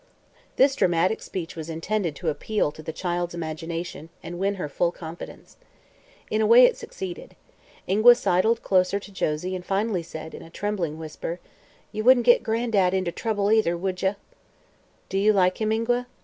This dramatic speech was intended to appeal to the child's imagination and win her full confidence. In a way, it succeeded. Ingua sidled closer to Josie and finally said in a trembling whisper: "Ye wouldn't git Gran'dad inter trouble either, would ye?" "Do you like him, Ingua?"